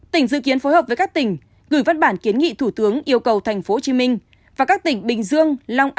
tỉnh dự kiến phối hợp với các tỉnh gửi văn bản kiến nghị thủ tướng yêu cầu tp hcm và các tỉnh bình dương